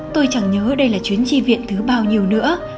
tôi chẳng nhớ đây là chuyến chi viện thứ bao nhiêu nữa